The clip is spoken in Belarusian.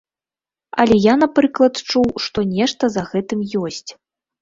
Але я, напрыклад, чуў, што нешта за гэтым ёсць.